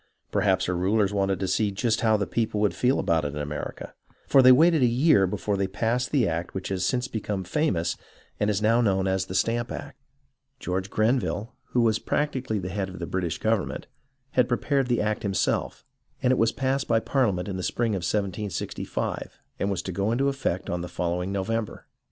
Perhaps her rulers wanted to see just how the people would feel about it in America, for they waited a year before they passed the act which has since become famous and is now known as the Stamp Act. 10 HISTORY OF THE AMERICAN REVOLUTION George Grenville, who was practically the head of the British government, had prepared the act himself, and it was passed by Parliament in the spring of 1765, and was to go into effect on the following November.